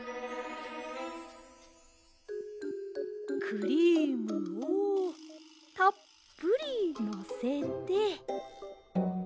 クリームをたっぷりのせて。